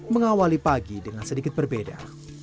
mengawali pagi dengan sedikit berbeda